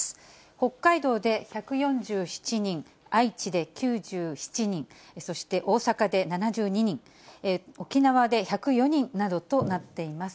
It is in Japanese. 北海道で１４７人、愛知で９７人、そして大阪で７２人、沖縄で１０４人などとなっています。